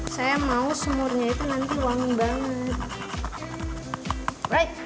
saya mau sumurnya itu nanti wangi banget